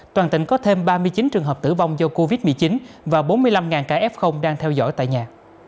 toàn tỉnh có thêm ba mươi chín trường hợp tử vong do covid một mươi chín và bốn mươi năm ca f đang theo dõi tại nhà